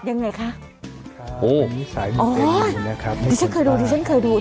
ยังไงคะโอ้ดิฉันเคยดูเนี่ย